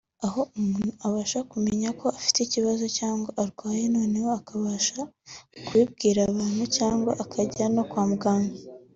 aha umuntu abasha kumenya ko afite ikibazo cyangwa arwaye noneho akabasha kubibwira abantu cyangwa akajya no kwa muganga